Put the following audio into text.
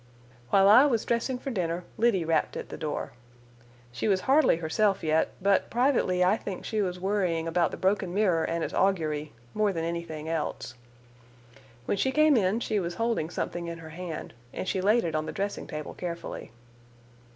While I was dressing for dinner, Liddy rapped at the door. She was hardly herself yet, but privately I think she was worrying about the broken mirror and its augury, more than anything else. When she came in she was holding something in her hand, and she laid it on the dressing table carefully.